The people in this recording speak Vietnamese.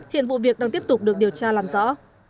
hiện vụ việc đang tiếp tục được điều tra làm rõ